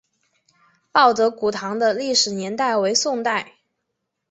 报德古堂的历史年代为宋代。